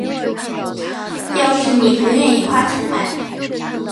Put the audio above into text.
要是妳不愿意花钱买